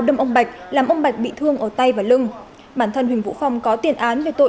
đâm ông bạch làm ông bạch bị thương ở tay và lưng bản thân huỳnh vũ phong có tiền án về tội